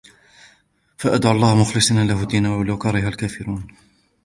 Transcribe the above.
فَادْعُوا اللَّهَ مُخْلِصِينَ لَهُ الدِّينَ وَلَوْ كَرِهَ الْكَافِرُونَ